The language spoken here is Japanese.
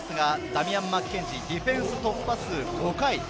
ダミアン・マッケンジー、ディフェンス突破数５回。